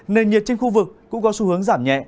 nền nhiệt trên khu vực cũng có xu hướng giảm nhẹ